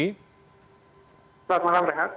selamat malam renat